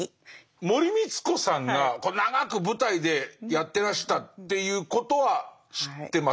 森光子さんが長く舞台でやってらしたということは知ってます。